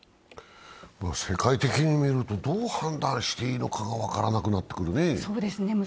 世界的に見ると、どう判断していいのかが分からなくなってくるね。